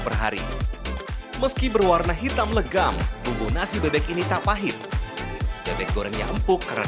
perhari meski berwarna hitam legam bumbu nasi bebek ini tak pahit bebek gorengnya empuk karena